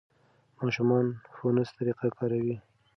ماشومان فونس طریقه کاروي.